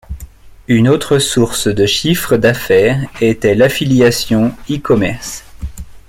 Une autre source de chiffre d'affaires était l'affiliation e-commerce.